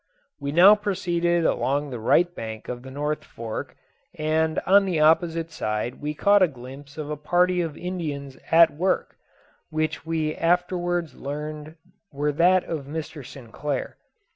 We now proceeded along the right bank of the North Fork, and on the opposite side we caught a glimpse of a party of Indians at work, which we afterwards learned were that of Mr. Sinclair.